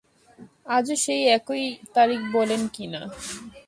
আজও সেই একই তারিখ বলেন কি না।